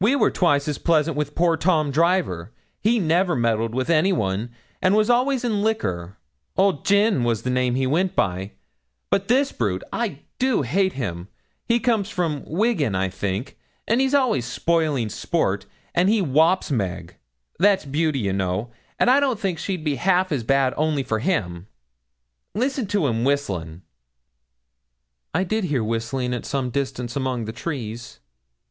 We were twice as pleasant with poor Tom Driver he never meddled with any one, and was always in liquor; Old Gin was the name he went by. But this brute I do hate him he comes from Wigan, I think, and he's always spoiling sport and he whops Meg that's Beauty, you know, and I don't think she'd be half as bad only for him. Listen to him whistlin'.' 'I did hear whistling at some distance among the trees.'